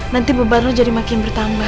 nanti beban lo jadi makin bertambah